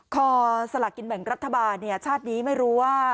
สลักกินแบ่งรัฐบาลชาตินี้ไม่รู้ว่า